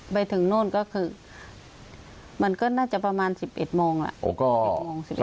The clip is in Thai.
ไปถึงนู่นก็คือมันก็น่าจะประมาณ๑๑โมงแหละ